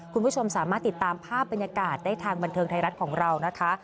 คุณผู้ชมสามารถติดตามภาพบรรยากาศได้ทางบันเทิงไทยรัฐของเรานะคะ